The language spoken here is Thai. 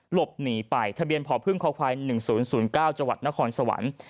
หลบหนีไปทะเบียนพพค๑๐๐๙จนครสวรรค์